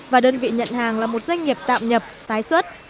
và đơn vị nhận hàng là một doanh nghiệp tạm nhập tái xuất